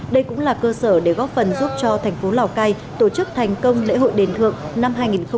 đây cũng là cơ sở để góp phần giúp cho thành phố lào cai tổ chức thành công lễ hội đền thượng năm hai nghìn hai mươi